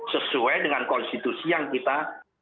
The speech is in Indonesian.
sesuai dengan konstitusi yang kita